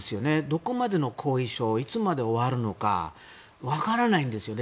どこまでの後遺症いつまで終わるのかわからないんですよ。